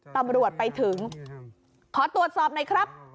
ตำรวจไปถึงขอตรวจสอบหน่อยครับ